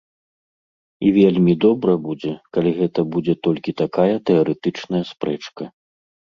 І вельмі добра будзе, калі гэта будзе толькі такая тэарэтычная спрэчка.